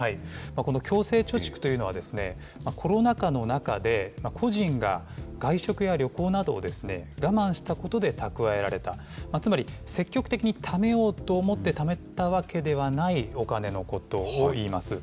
この強制貯蓄というのはですね、コロナ禍の中で、個人が外食や旅行などを我慢したことで蓄えられた、つまり積極的にためようと思ってためたわけではないお金のことをいいます。